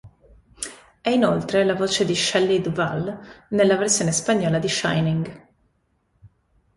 È inoltre la voce di Shelley Duvall nella versione spagnola di "Shining".